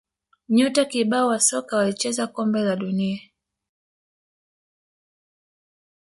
nyota kibao wa soka walicheza kombe la dunia